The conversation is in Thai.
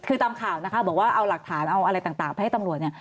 คือตามข่าวนะคะบอกว่าเอาหลักฐานเอาอะไรต่างไปให้ตำรวจเนี่ย